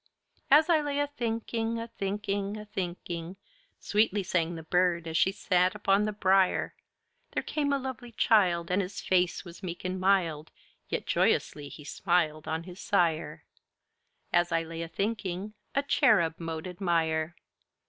As I laye a thynkynge, a thynkynge, a thynkynge, Sweetly sang the Birde as she sat upon the briar; There came a lovely childe, And his face was meek and milde, Yet joyously he smiled On his sire; As I laye a thynkynge, a Cherub mote admire.